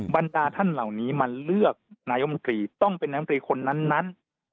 บรรดาท่านเหล่านี้มาเลือกนายมนตรีต้องเป็นน้ำตรีคนนั้น